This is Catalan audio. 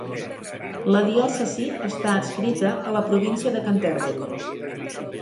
La diòcesi està adscrita a la província de Canterbury.